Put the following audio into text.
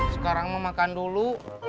sekarang mau makan dulu